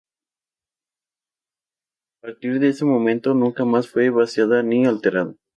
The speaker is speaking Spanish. A partir de ese momento nunca más fue vaciada ni alterada.